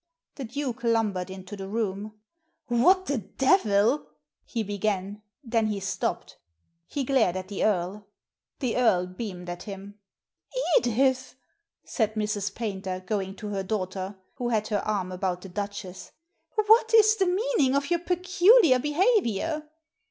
The Duke lumbered into the room. •'What the devil " he began, then he stopped He glared at the Earl. The Earl beamed at him. " Edith," said Mrs. Paynter, going to her daughter, who had her arm about the Duchess, "^ what is the meaning of your peculiar behaviour